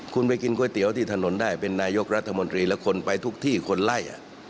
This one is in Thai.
คุณไปกินก๋วยเตี๋ยวที่ถนนได้เป็นนายกรัฐมนตรีแล้วคนไปทุกที่คนไล่